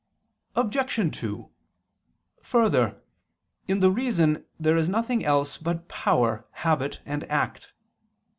Obj. 2: Further, in the reason there is nothing else but power, habit, and act.